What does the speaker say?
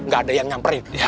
nggak ada yang nyamperin